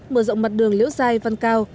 mở rộng mặt đường liễu giai văn cao